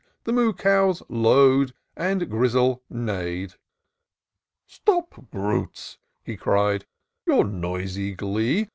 The moo cows low'd, and Grizzle neigh'd !" Stop, brutes," he cried, " your noisy glee